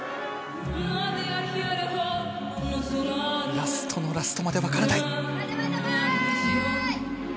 ラストのラストまで分からない。